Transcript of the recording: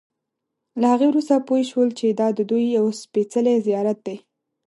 له هغې وروسته پوی شول چې دا ددوی یو سپېڅلی زیارت دی.